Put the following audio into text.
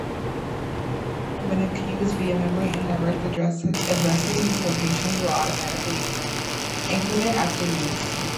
When accessed via memory indirect addressing, these locations would automatically increment after use.